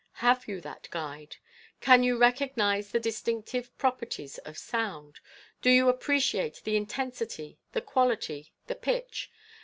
Have you that guide ? Can you recognize the distinctive proper ties of sound ? Do you appreciate the intensity, the quality, the pitch?